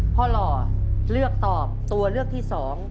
หล่อเลือกตอบตัวเลือกที่๒